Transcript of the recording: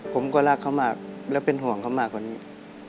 ผมก็รักเขามากและเป็นห่วงเขามากกว่านี้